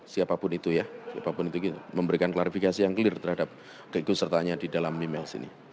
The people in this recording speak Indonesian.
siapapun itu ya siapapun itu memberikan klarifikasi yang clear terhadap keikut sertanya di dalam email sini